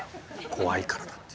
怖いからだって。